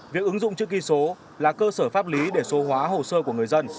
việc ứng dụng chữ ký số là cơ sở pháp lý để số hóa hồ sơ của người dân